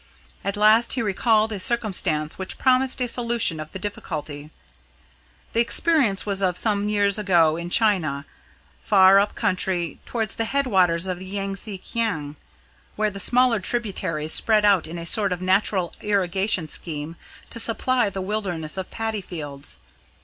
At last he recalled a circumstance which promised a solution of the difficulty. The experience was of some years ago in China, far up country, towards the head waters of the Yang tze kiang, where the smaller tributaries spread out in a sort of natural irrigation scheme to supply the wilderness of paddy fields.